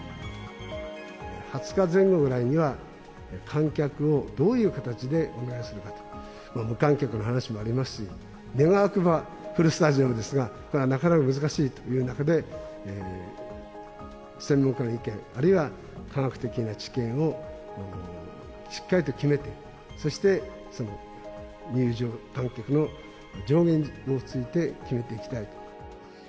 ２０日前後ぐらいには、観客をどういう形でお願いするかと、無観客の話もありますし、願わくばフルスタジアムですが、これはなかなか難しいという中で、専門家の意見、あるいは科学的な知見をしっかりと決めて、そして入場観客の上限について決めていきたいと。